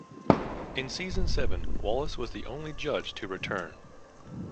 In season seven Wallace was the only judge to return.